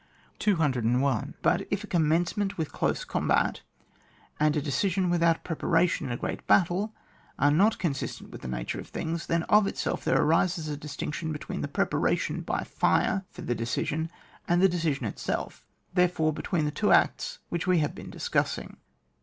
201. But if a commencement with close combat, and a decision without preparation in a g^eat battle are not consistent with the nature of things, then of itself there arises a distinction be tween the preparation by fire for the de cision, and the decision itself, therefore, between the two acts which we have been discussing.